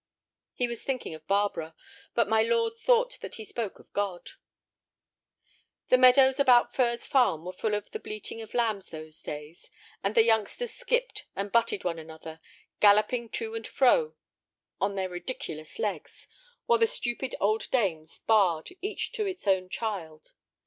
He was thinking of Barbara, but my lord thought that he spoke of God. The meadows about Furze Farm were full of the bleating of lambs those days, and the youngsters skipped and butted one another, galloping to and fro on their ridiculous legs, while the stupid old dames baaed, each to its own child.